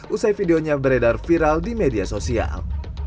usai videonya beredar viral di media sosial